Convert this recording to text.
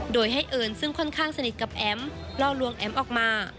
โดยให้เอิญซึ่งค่อนข้างสนิทกับแอ๋มล่อลวงแอ๋มออกมา